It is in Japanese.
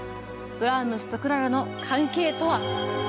ブラームスとクララの関係とは？